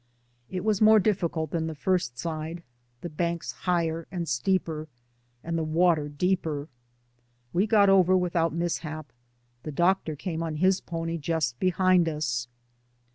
It was more difficult than the first side, the banks higher and steeper, and the water deeper. We got over without mis hap; the doctor came on his pony just be hind us.